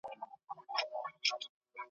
پر اصفهان دي د تورو شرنګ وو ,